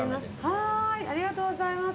ありがとうございます。